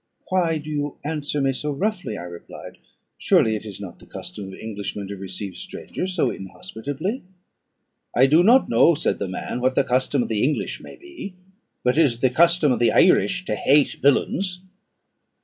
"Why do you answer me so roughly?" I replied; "surely it is not the custom of Englishmen to receive strangers so inhospitably." "I do not know," said the man, "what the custom of the English may be; but is the custom of the Irish to hate villains."